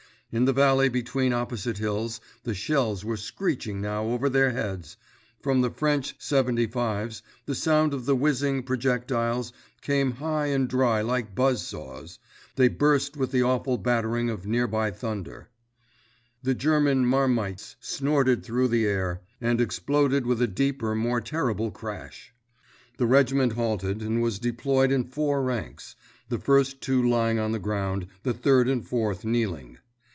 In the valley between opposite hills the shells were screeching now over their heads—from the French "75's" the sound of the whizzing projectiles came high and dry like buzz saws—they burst with the awful battering of near by thunder. The German "marmites" snorted through the air, and exploded with a deeper, more terrible crash. The regiment halted, and was deployed in four ranks—the first two lying on the ground, the third and fourth kneeling.